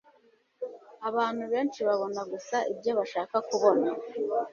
abantu benshi babona gusa ibyo bashaka kubona